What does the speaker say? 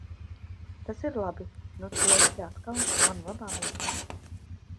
Tas ir labi. Nu tu esi atkal mana labā meitiņa.